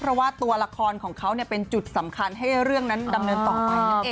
เพราะว่าตัวละครของเขาเป็นจุดสำคัญให้เรื่องนั้นดำเนินต่อไปนั่นเอง